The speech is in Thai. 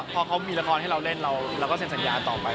พอเขามีละครให้เราเล่นเราก็เซ็นสัญญาต่อไป